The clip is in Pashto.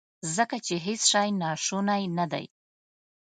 ځکه چې هیڅ شی هم ناشونی ندی.